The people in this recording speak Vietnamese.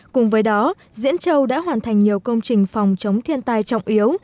cùng với đó diễn châu đã hoàn thành nhiều công trình phòng chống thiên tai trọng yếu